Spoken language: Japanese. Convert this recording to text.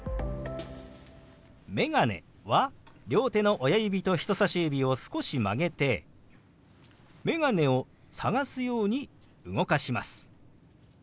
「メガネ」は両手の親指と人さし指を少し曲げてメガネを探すように動かします。